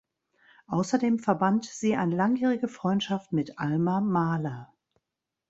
Außerdem verband sie eine langjährige Freundschaft mit Alma Mahler.